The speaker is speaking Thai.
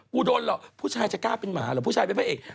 กูโดนเหรอผู้ชายจะกล้าเป็นหมาหรือผู้ชายเป็นผู้เอก